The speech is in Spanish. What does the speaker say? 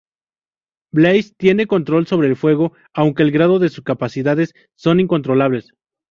Blaze tiene control sobre el fuego, aunque el grado de sus capacidades son incontrolables.